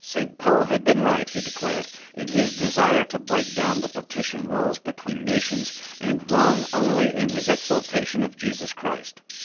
St. Paul had been right, he declared, in his desire to break down the partition walls between nations, and wrong only in his exaltation of Jesus Christ.